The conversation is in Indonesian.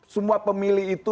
semua pemilih itu